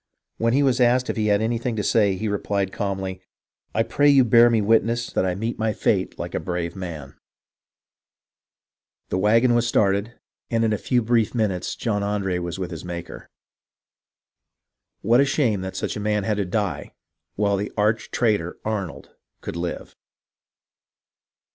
When he was asked if he had anything to say, he replied calmly, " I pray you to bear me witness that I meet 298 HISTORY OF THE AMERICAN REVOLUTION my fate like a brave man." The wagon was then started, and in a few brief minutes John Andre was with his Maker. What a shame that such a man had to die while the arch traitor, Arnold, could live !